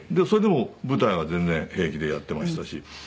それでも舞台は全然平気でやってましたし。